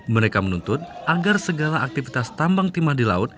mereka menuntut agar segala aktivitas tambang timah di laut